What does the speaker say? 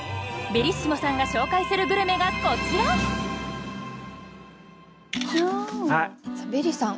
ベリッシモさんが紹介するグルメがこちらベリさん